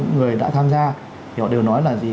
người đã tham gia thì họ đều nói là gì